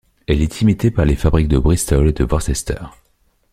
Elle est imitée par les fabriques de Bristol et de Worcester.